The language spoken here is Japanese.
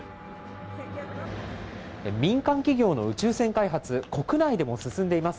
民間企業の宇宙船開発、国内でも進んでいます。